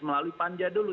melalui panja dulu